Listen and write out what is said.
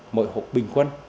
mỗi hồ bình quân